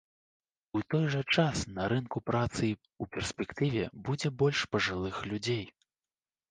У той жа час на рынку працы ў перспектыве будзе больш пажылых людзей.